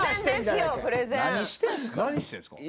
何してるんですか？